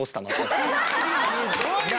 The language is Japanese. すごいな！